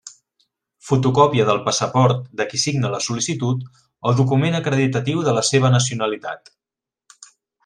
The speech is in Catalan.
Fotocòpia del passaport de qui signa la sol·licitud o document acreditatiu de la seva nacionalitat.